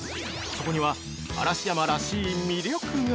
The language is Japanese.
そこには嵐山らしい魅力が◆